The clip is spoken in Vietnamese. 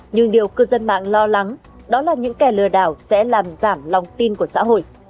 nhưng điều cư dân mạng lo lắng đó là những kẻ lừa đảo sẽ làm giảm lòng tin của xã hội